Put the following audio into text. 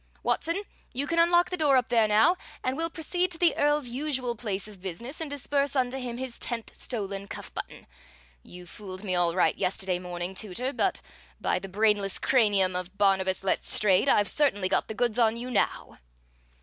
"Watson, you can unlock the door up there now, and we'll proceed to the Earl's usual place of business and disburse unto him his tenth stolen cuff button. You fooled me all right yesterday morning, Tooter, but, by the brainless cranium of Barnabas Letstrayed, I've certainly got the goods on you now!"